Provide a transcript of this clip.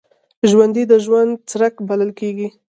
ژوندي د ژوند څرک بل ساتي